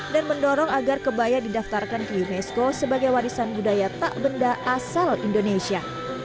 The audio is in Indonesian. dan mendorong agar kebaya didaftarkan ke unesco sebagai warisan budaya tak benda asal indonesia